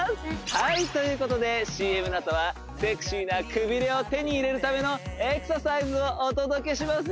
はいということでＣＭのあとはセクシーなくびれを手に入れるためのエクササイズをお届けします